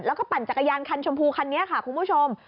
แล้วก็ปั่นจักรยานคันชมพูคันนี้ค่ะคุณผู้ชม